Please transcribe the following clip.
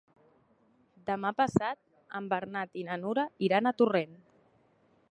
Demà passat en Bernat i na Nura iran a Torrent.